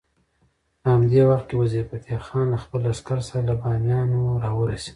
په همدې وخت کې وزیر فتح خان له خپل لښکر سره له بامیانو راورسېد.